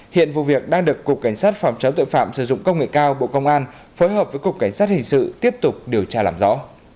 hiện vụ việc đang được cục cảnh sát phòng chống tội phạm sử dụng công nghệ cao bộ công an phối hợp với cục cảnh sát hình sự tiếp tục điều tra làm rõ